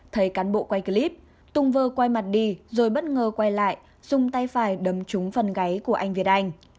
thấy cán bộ quay clip tùng vơ quay mặt đi rồi bất ngờ quay lại dùng tay phải đấm trúng phần gáy của anh việt anh